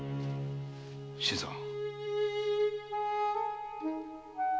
新さん。